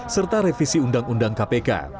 serta revisi undang undang kpk